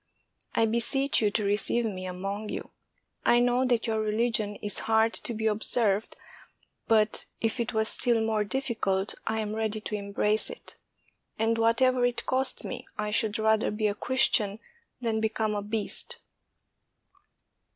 I beseech you to receive me among you. I know that your religion is hard to be observed, but if it was still more difficult, I am ready to embrace it ; and whatever it cost me, I should rather be a Christian than become a beast."